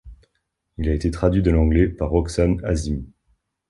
Il a été traduit de l'anglais par Roxane Azimi.